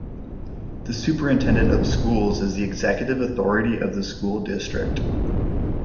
The Superintendent of Schools is the executive authority of the school district.